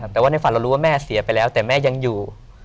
แต่ว่าในฝันเรารู้ว่าแม่เสียไปแล้วแต่แม่ยังอยู่